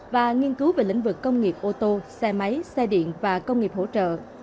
và nghiên cứu về lĩnh vực công nghiệp ô tô xe máy xe điện và công nghiệp hỗ trợ